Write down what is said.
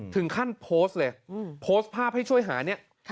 ถึงขั้นโพสต์เลยโพสต์ภาพให้ช่วยหาเนี่ย